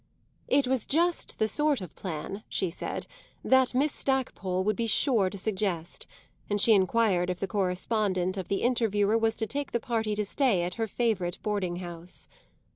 It was just the sort of plan, she said, that Miss Stackpole would be sure to suggest, and she enquired if the correspondent of the Interviewer was to take the party to stay at her favourite boarding house.